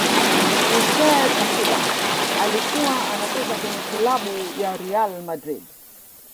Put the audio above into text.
iker casilas alikuwa anacheza kwenye klabu ya real madrid